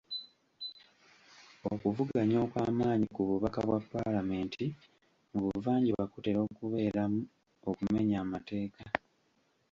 Okuvuganya okw'amaanyi ku bubaka bwa paalamenti mu buvanjuba kutera okubeeramu okumenya amateeka.